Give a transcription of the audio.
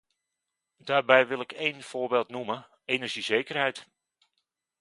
Daarbij wil ik één voorbeeld noemen: energiezekerheid.